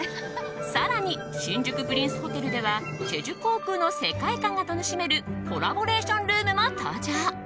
更に、新宿プリンスホテルではチェジュ航空の世界観が楽しめるコラボレーションルームも登場。